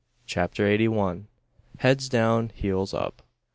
CHAPTER EIGHTY ONE. HEADS DOWN HEELS UP!